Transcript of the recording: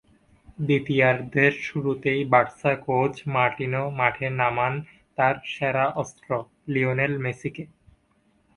দ্বিতীয়ার্ধের শুরুতেই Barca coach Martino মাঠে নামান তাঁর সেরা অস্ত্র, লিওনেল মেসিকে।